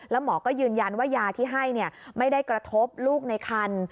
แล้วหมอก็ยืนยันว่ายาที่ให้ไม่ได้กระทบลูกในคัน